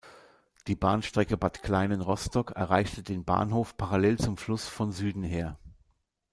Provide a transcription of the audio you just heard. Die Bahnstrecke Bad Kleinen–Rostock erreichte den Bahnhof parallel zum Fluss von Süden her.